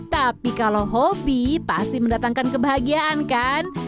tapi kalau hobi pasti mendatangkan kebahagiaan kan